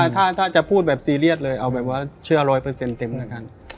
ถ้าจะพูดแบบซีเรียสเลยเอาแบบว่าเชื่อ๑๐๐เต็มแล้วกัน